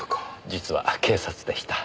実は警察でした。